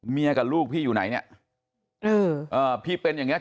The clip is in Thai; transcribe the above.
กับลูกพี่อยู่ไหนเนี่ยเออพี่เป็นอย่างเงี้